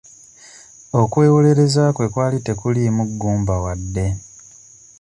Okwewolereza kwe kwali tekuliimu ggumba wadde.